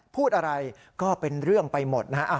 พูดอะไรก็เป็นเรื่องไปหมดนะฮะ